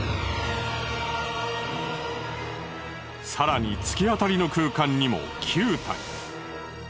更に突き当たりの空間にも９体。